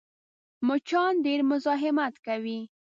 مچان ډېر مزاحمت کوي